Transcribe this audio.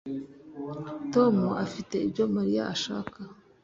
Tom afite ibyo Mariya ashaka